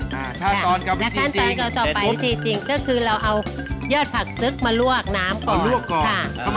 ค่ะถ้าตอนกับอีกทีจริงตอนกับต่อไปอีกทีจริงก็คือเราเอายอดผักซึกมาลวกน้ำก่อนอ๋อลวกก่อนค่ะ